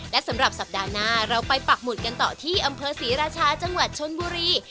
และสำหรับสัปดาห์หน้าเราไปปักหมุดกันต่อที่อำเภอศรีราชาจังหวัดชนบุรี